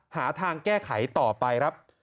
หาทางแก้ไขต่อไปครับ